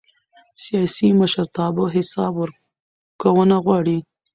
سیاسي مشرتابه حساب ورکونه غواړي